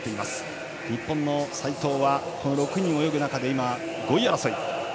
日本の齋藤は６人泳ぐ中で今、５位争い。